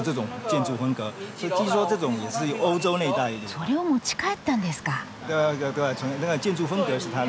それを持ち帰ったんですか。